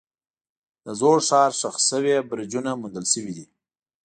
د زوړ ښار ښخ شوي برجونه موندل شوي دي.